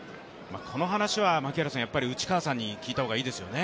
この話は、やっぱり内川さんに聞いたほうがいいですよね。